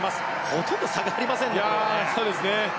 ほとんど差がありませんね。